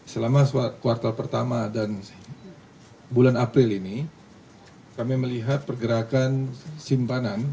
selama kuartal pertama dan bulan april ini kami melihat pergerakan simpanan